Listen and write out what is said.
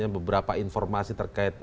beberapa informasi terkait